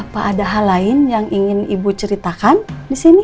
pak ada hal lain yang ingin ibu ceritakan di sini